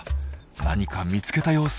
何か見つけた様子。